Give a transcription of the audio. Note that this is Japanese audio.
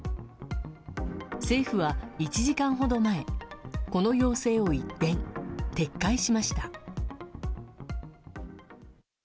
政府は１時間ほど前この要請を一転、撤回しました。